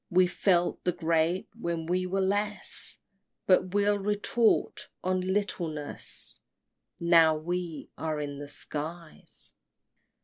We felt the great when we were less, But we'll retort on littleness Now we are in the skies.